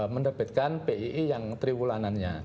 menerbitkan pii yang triwulanannya